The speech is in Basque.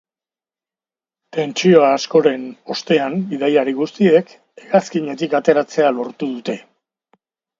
Tentsio askoren ostean, bidaiari guztiek hegazkinetik ateratzea lortu dute.